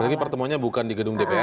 apalagi pertemuannya bukan di gedung dpr ya